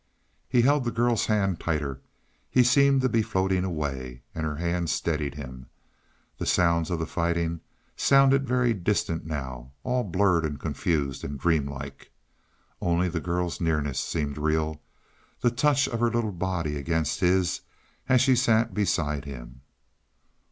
He held the girl's hand tighter. He seemed to be floating away, and her hand steadied him. The sounds of the fighting sounded very distant now all blurred and confused and dreamlike. Only the girl's nearness seemed real the touch of her little body against his as she sat beside him.